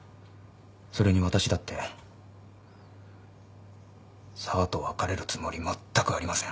それに私だって紗和と別れるつもりまったくありません。